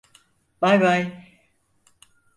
Baybay.